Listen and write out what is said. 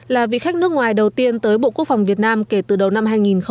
là vị khách nước ngoài đầu tiên tới bộ quốc phòng việt nam kể từ đầu năm hai nghìn một mươi